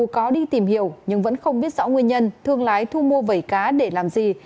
có đi tìm hiểu nhưng vẫn không biết rõ nguyên nhân thương lái thu mua vẩy cá để làm gì